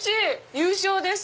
優勝です。